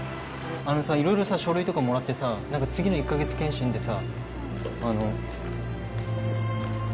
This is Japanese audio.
あのさいろいろ書類とかもらってさ次の１か月健診でさ。